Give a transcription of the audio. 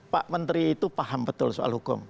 pak menteri itu paham betul soal hukum